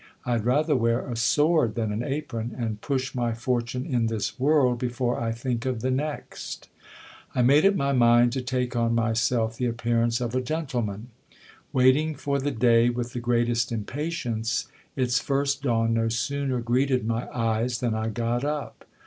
I had rather wear a sword than an apron : and push my fortune in this world, before I think of the next. I made up my mind to take on myself the appearance of a gentleman. Wait ing for the day with the greatest impatience, its first dawn no sooner greeted my eyes, than I got up.